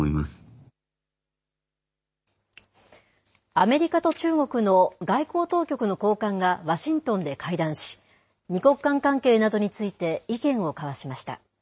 アメリカと中国の外交当局の高官がワシントンで会談し、２国間関係などについて意見を交わしました。